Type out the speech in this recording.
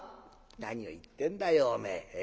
「何を言ってんだよおめえ。